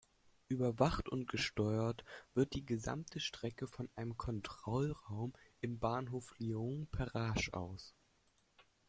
Überwacht und gesteuert wird die gesamte Strecke von einem Kontrollraum im Bahnhof Lyon-Perrache aus.